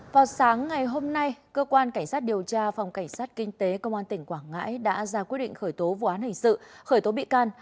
vào sáng ngày hôm nay cơ quan cảnh sát điều tra phòng cảnh sát kinh tế công an tỉnh quảng ngãi đã ra quyết định khởi tố vụ án hình sự khởi tố bị can